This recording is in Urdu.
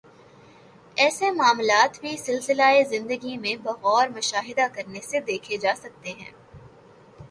ایسے معاملات بھی سلسلہ زندگی میں بغور مشاہدہ کرنے سے دیکھے جا سکتے ہیں